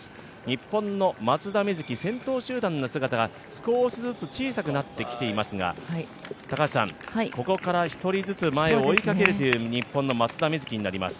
日本の松田瑞生、先頭集団の姿が少しずつ小さくなってきていますが、ここから１人ずつ前を追いかけるという日本の松田瑞生になります。